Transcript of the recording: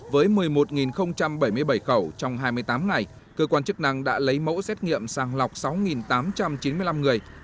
với một mươi một bảy mươi bảy khẩu trong hai mươi tám ngày cơ quan chức năng đã lấy mẫu xét nghiệm sàng lọc sáu tám trăm chín mươi năm người